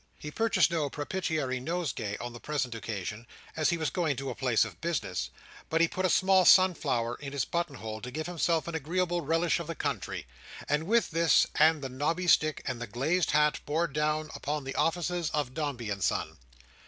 He purchased no propitiatory nosegay on the present occasion, as he was going to a place of business; but he put a small sunflower in his button hole to give himself an agreeable relish of the country; and with this, and the knobby stick, and the glazed hat, bore down upon the offices of Dombey and Son.